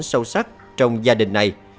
sâu sắc trong gia đình này